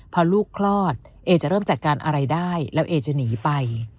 พอลูกคลอดเอจะเริ่มจัดการอะไรได้แล้วเอจะหนีไป